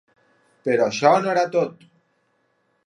Però això no era tot.